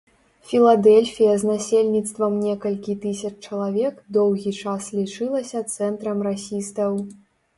Філадэльфія з насельніцтвам некалькі тысяч чалавек доўгі час лічылася цэнтрам расістаў.